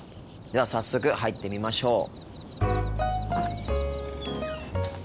では早速入ってみましょう。